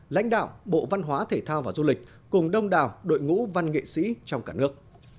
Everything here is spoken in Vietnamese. lãnh đạo bộ văn hóa thể thao và du lịch cùng đông đảo đội ngũ văn nghệ sĩ trong cả nước